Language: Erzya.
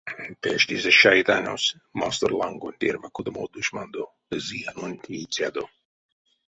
Пештизе шайтянось мастор лангонть эрьва кодамо душмандо ды зыянонь теицядо.